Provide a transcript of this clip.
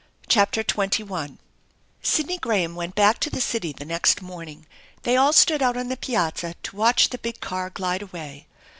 CHAPTER XXI SIDNEY GRAHAM went back to the city the next morning. They all stood out on the piazza to watch the big car glide away.